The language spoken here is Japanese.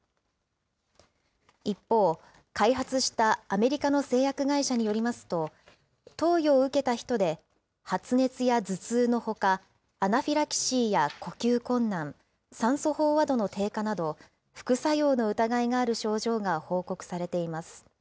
一方、開発したアメリカの製薬会社によりますと、投与を受けた人で発熱や頭痛のほか、アナフィラキシーや呼吸困難、酸素飽和度の低下など、副作用の疑いのある症状が報告されています。